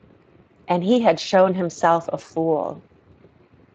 And he had shown himself a fool.